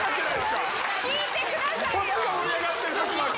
聞いてくださいよ。